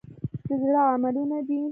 د زړه عملونه دي .